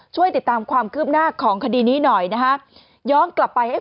ช่วยติดตามความคืบหน้าของคดีนี้หน่อยนะฮะย้อนกลับไปให้